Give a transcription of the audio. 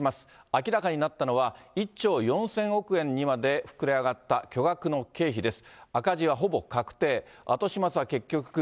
明らかになったのは、１兆４０００億円にまで膨れ上がった巨額の経費です。